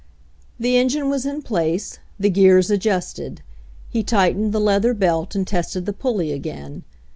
The engine was in place, the gears adjusted. He tightened the leather belt and tested the pul ley again.